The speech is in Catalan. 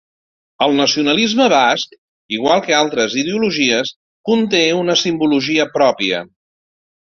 El nacionalisme basc, igual que altres ideologies, conté una simbologia pròpia.